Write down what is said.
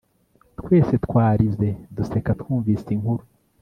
twese twarize duseka twumvise inkuru